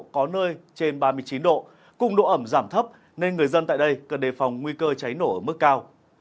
có nơi trên ba mươi chín độ cùng độ ẩm giảm thấp nên người dân tại đây cần đề phòng nguy cơ cháy nổ ở mức cao